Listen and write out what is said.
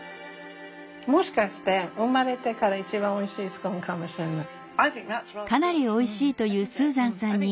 もしかして生まれてから一番おいしいスコーンかもしれない。